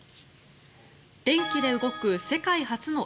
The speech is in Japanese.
電気で動く世界初のＥＶ